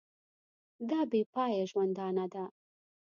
دا بې پایه ژوندانه ده.